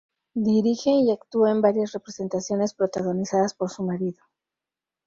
Dirige y actúa en varias representaciones protagonizadas por su marido.